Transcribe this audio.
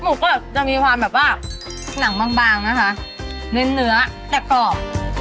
ก็จะมีความแบบว่าหนังบางบางนะคะเน้นเนื้อแต่กรอบ